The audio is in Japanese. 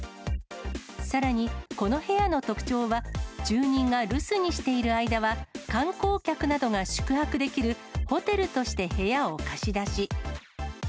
さらに、この部屋の特徴は、住人が留守にしている間は、観光客などが宿泊できるホテルとして部屋を貸し出し。